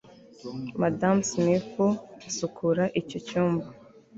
madamu smith asukura icyo cyumba